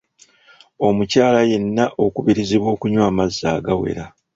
Omukyala yenna okubirizibwa okunywa amazzi agawera.